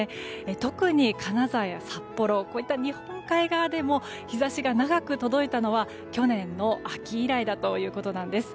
特に金沢や札幌こういった日本海側でも日差しが長く届いたのは去年の秋以来だということです。